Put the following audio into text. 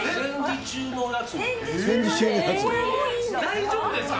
大丈夫ですか？